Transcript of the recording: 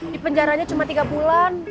di penjaranya cuma tiga bulan